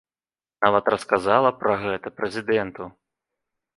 Нават расказала пра гэта прэзідэнту.